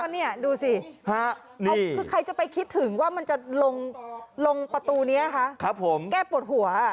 นี่ดูสิคือใครจะไปคิดถึงว่ามันจะลงประตูนี้คะผมแก้ปวดหัว